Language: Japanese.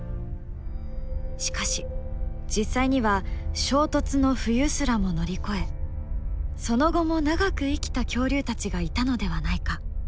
しかし実際には衝突の冬すらも乗り越えその後も長く生きた恐竜たちがいたのではないか。